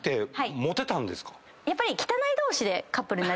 やっぱり。